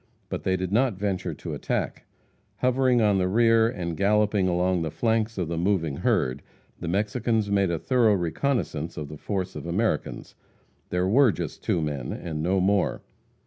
But they did not venture to attack. Hovering on the rear, and galloping along the flanks of the moving herd, the Mexicans made a thorough reconnaissance of the force of Americans. There were just two men, and no more.